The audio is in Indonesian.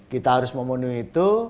kita harus memenuhi itu